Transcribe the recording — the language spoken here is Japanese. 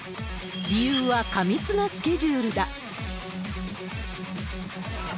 理由は過密なスケジュールだ。